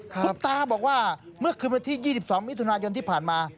คุณตาบอกว่าเมื่อคืนวันที่๒๒มิถุนายนที่ผ่านมา